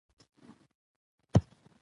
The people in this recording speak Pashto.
آب وهوا د افغانانو د معیشت یوه سرچینه ده.